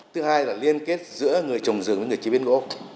thứ hai là liên kết giữa người trồng rừng với người chế biến gỗ